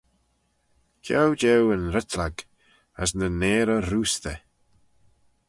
Ceau jeu yn ritlag, as nyn nearey roostey.